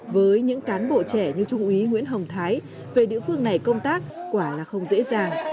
với những cán bộ trẻ như trung úy nguyễn hồng thái về địa phương này công tác quả là không dễ dàng